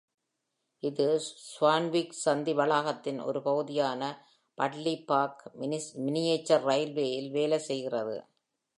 இது ஸ்வான்விக் சந்தி வளாகத்தின் ஒரு பகுதியான பட்டர்லி பார்க் மினியேச்சர் ரயில்வேயில் வேலை செய்கிறது.